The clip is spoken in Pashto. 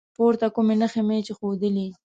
پورته کومې نښې مې چې وښودلي